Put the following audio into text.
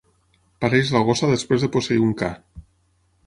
Pareix la gossa després de posseir un ca.